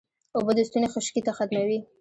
اوبه د ستوني خشکي ختموي